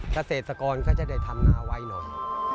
กระเสธสกรณ์ก็จะได้ทำหนาไว้หน่อย